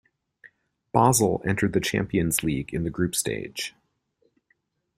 Basel entered the Champions League in the group stage.